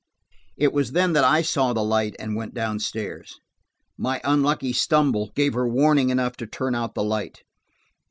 It was then that I saw the light and went downstairs. My unlucky stumble gave her warning enough to turn out the light.